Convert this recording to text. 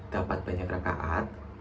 dapat banyak rokaat